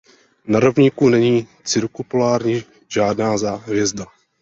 Na rovníku není cirkumpolární žádná hvězda.